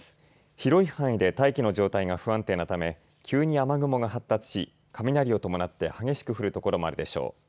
広い範囲で大気の状態が不安定なため急に雨雲が発達し雷を伴って激しく降る所もあるでしょう。